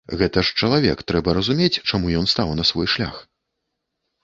Гэта ж чалавек, трэба разумець, чаму ён стаў на свой шлях.